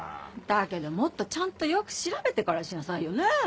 だけどもっとちゃんとよく調べてからにしなさいよね。